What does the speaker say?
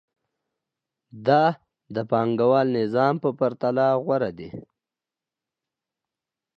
دا د پانګوال نظام په پرتله غوره دی